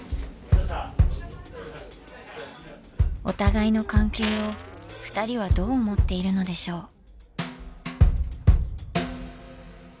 お互いの関係をふたりはどう思っているのでしょう？